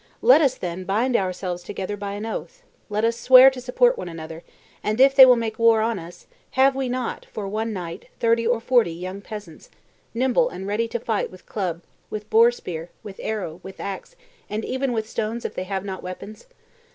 Let us, then, bind ourselves together by an oath: let us swear to support one another; and if they will make war on us, have we not, for one knight, thirty or forty young peasants, nimble and ready to fight with club, with boar spear, with arrow, with axe, and even with stones if they have not weapons?